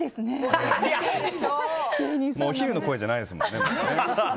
お昼の声じゃないですもんね。